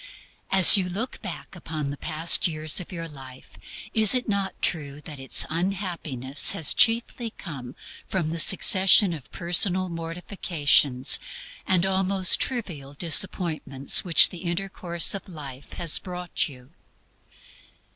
As you look back upon the past years of your life, is it not true that its unhappiness has chiefly come from the succession of personal mortifications and almost trivial disappointments which the intercourse of life has brought you?